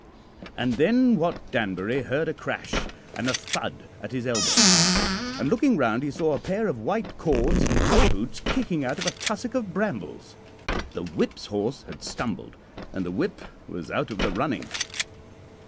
And then Wat Danbury heard a crash and a thud at his elbow, and looking round he saw a pair of white cords and top boots kicking out of a tussock of brambles. The whip's horse had stumbled, and the whip was out of the running.